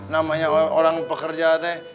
namanya orang pekerja teh